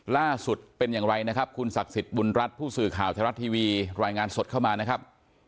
ล่าสุดเป็นอย่างไรนะครับคุณศักดิ์สิทธิ์บุญรัฐผู้สื่อข่าวไทยรัฐทีวีรายงานสดเข้ามานะครับ